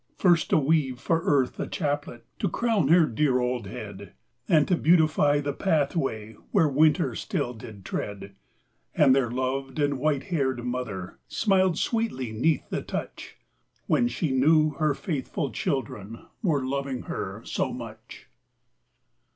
First to weave for Earth a chaplet To crown her dear old head; And to beautify the pathway Where winter still did tread. And their loved and white haired mother Smiled sweetly 'neath the touch, When she knew her faithful children Were loving her so much.